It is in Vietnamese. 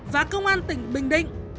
và công an tỉnh bình định